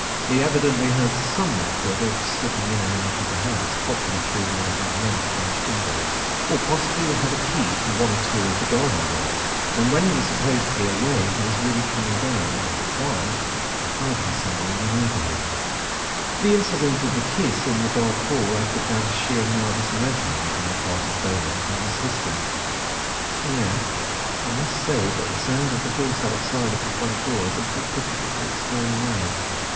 He evidently had some method of slipping in and out of the house, probably through one of the many French windows, or possibly he had a key to one or two of the garden doors; and when he was supposed to be away, he was really coming down, on the quiet, and hiding somewhere in the neighbourhood. "The incident of the kiss in the dark hall, I put down to sheer nervous imaginings on the part of Beaumont and Miss Hisgins; yet, I must say that the sound of the horse outside of the front door, is a little difficult to explain away.